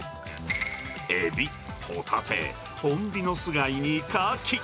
エビ、ホタテ、ホンビノス貝にカキ。